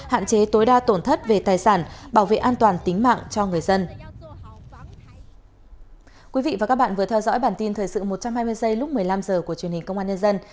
hạn chế tối đa tổn thất về tài sản bảo vệ an toàn tính mạng cho người dân